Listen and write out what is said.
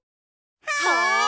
はい！